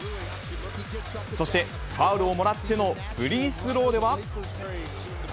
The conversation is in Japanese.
そして、ファウルをもらってのフリースローでは。